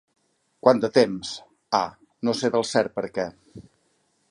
"Quant de temps?" "Ah!" "No sé del cert per què."